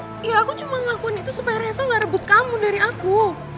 iya aku cuma ngelakuin itu supaya reva gak rebut kamu dari aku